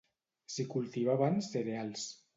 S'hi cultivaven cereals.